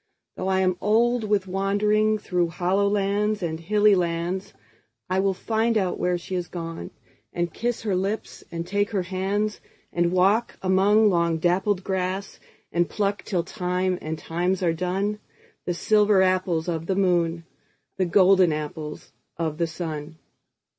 Though I am old with wanderingThrough hollow lands and hilly lands,I will find out where she has gone, And kiss her lips and take her hands; And walk among long dappled grass, And pluck till time and times are done, The silver apples of the moon, The golden apples of the sun.